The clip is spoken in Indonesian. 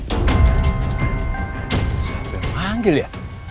siapa yang panggil ya